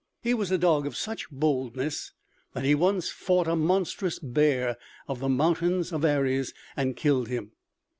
He was a dog of such boldness that he once fought a monstrous bear of the mountains of Arres, and killed him.